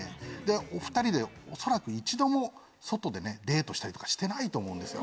お２人で恐らく１度も外でデートしたりとかしていないと思うんですよ。